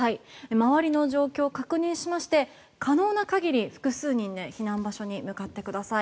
周りの状況を確認しまして可能な限り複数人で避難場所に向かってください。